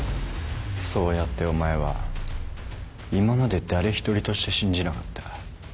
そうやってお前は今まで誰一人として信じなかった。